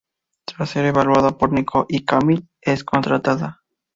Tras ser evaluada por Nico y Camille, es contratada.